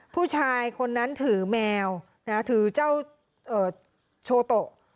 ผู้ชายคนนั้นถือแมวถือเจ้าโชโต